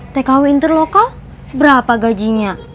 tkw inter lokal berapa gajinya